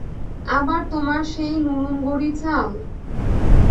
আবার তোমার সেই নুরনগরি চাল?